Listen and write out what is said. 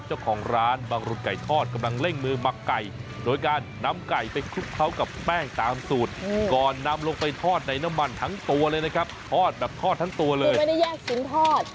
เอาได้ตามสูตรก่อนนำลงไปทอดในน้ำมันทั้งตัวเลยนะครับทอดถ้ายังไม่ได้แยกสินทอด